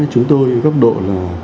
chúng tôi gấp độ là